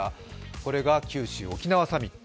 これが九州沖縄サミット。